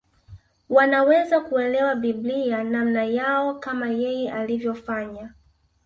Wanaweza kuelewa Biblia namna yao kama yeye alivyofanya